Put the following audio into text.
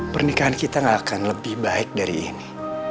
pernikahan kita gak akan lebih baik dari ini